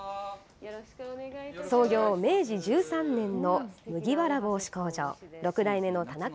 創業明治１３年の麦わら帽子工場。